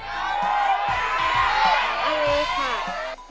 อันนี้ค่ะ